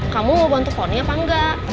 kamu mau bantu ponnya apa enggak